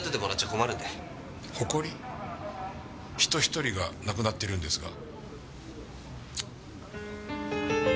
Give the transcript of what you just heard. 人１人が亡くなっているんですが。